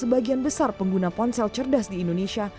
sebagian besar pengguna ponsel cerdas di indonesia